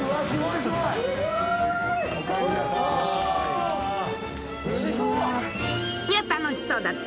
［いや楽しそうだったな！